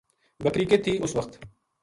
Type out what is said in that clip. بکری کِت تھی اس وخت۔